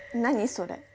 それ。